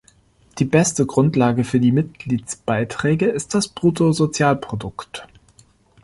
Die beste Grundlage für die Mitgliedsbeiträge ist das Bruttosozialprodukt.